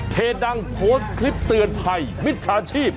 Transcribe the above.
ดังโพสต์คลิปเตือนภัยมิจฉาชีพ